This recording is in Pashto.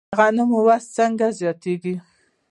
د غنمو وزن څنګه زیات کړم؟